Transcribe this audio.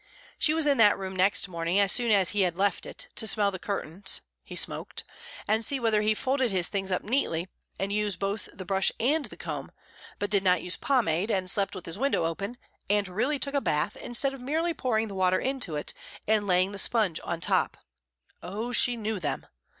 She was in that room next morning as soon as he had left it, to smell the curtains (he smoked), and see whether he folded his things up neatly and used both the brush and the comb, but did not use pomade, and slept with his window open, and really took a bath instead of merely pouring the water into it and laying the sponge on top (oh, she knew them!)